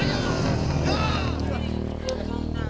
sampai jumpa lagi